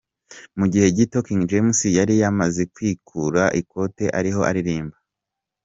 Mu gihe gito, King James yari yamaze kwikura ikote ariho aririmba.